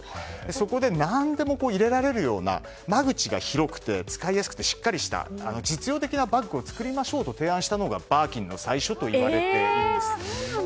そこで、何でも入れられるような間口が広くて使いやすくてしっかりした実用的なバッグを作りましょうと提案したのがバーキンの最初といわれています。